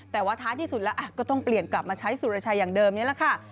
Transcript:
แต่ว่าท้ายที่สุดแล้วก็ต้องเปลี่ยนกลับมาใช้สุรชัยอย่างเดิมนี่แหละค่ะ